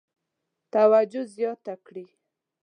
توجه زیاته کړي.